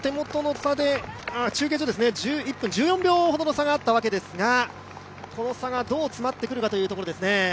プレス工業と１１分１４秒ほどの差があったわけですが、この差がどう詰まってくるかといったところですね。